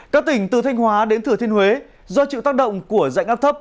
các tỉnh từ thanh hóa đến thừa thiên huế do chịu tác động của dạnh áp thấp